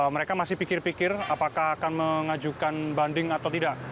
mereka masih pikir pikir apakah akan mengajukan banding atau tidak